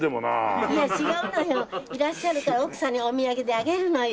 いらっしゃるから奥さんにお土産であげるのよ。